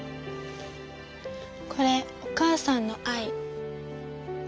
これお母さんの愛。